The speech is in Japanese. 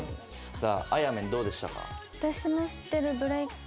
さああやめんどうでしたか？